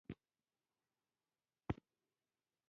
پابندي غرونه د افغانانو د تفریح یوه ښه وسیله ده.